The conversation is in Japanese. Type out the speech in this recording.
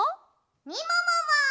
みももも！